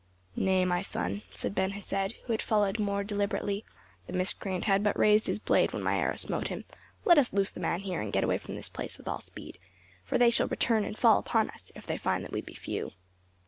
"Nay, my son," said Ben Hesed, who had followed more deliberately, "the miscreant had but raised his blade when my arrow smote him; let us loose the man here and get away from this place with all speed, for they will return and fall upon us, if they find that we be few."